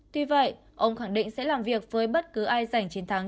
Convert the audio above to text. tuy vậy ông khẳng định sẽ làm việc với bất cứ ai giành chiến thắng